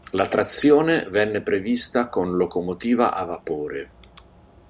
La trazione venne prevista con locomotiva a vapore.